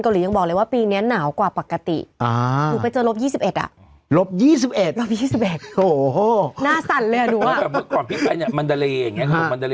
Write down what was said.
คนเกาหลียังบอกเลยว่าปีนี้หนาวกว่าปกติอ่า